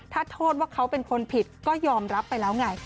ถ้าโทษว่าเขาเป็นคนผิดก็ยอมรับไปแล้วไง